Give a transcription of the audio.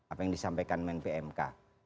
apa yang disampaikan men pmk